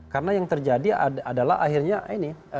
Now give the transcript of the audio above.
karena yang terjadi adalah akhirnya ini